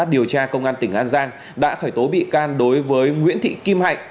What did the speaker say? điều tra công an tỉnh an giang đã khởi tố bị can đối với nguyễn thị kim hạnh